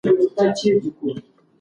دفاعي سیستم ورو ورو رغېږي.